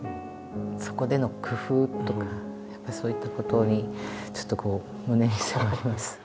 そこでの工夫とかやっぱりそういったことにちょっとこう胸に迫ります。